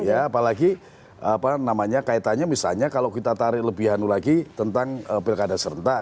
apalagi kaitannya misalnya kalau kita tarik lebih hanu lagi tentang pilkada serentak